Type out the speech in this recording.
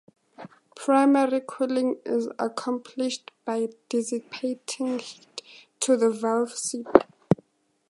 Primary cooling is accomplished by dissipating heat to the valve seats.